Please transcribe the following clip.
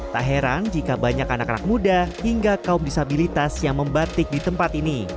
tak heran jika banyak anak anak muda hingga kaum disabilitas yang membatik di tempat ini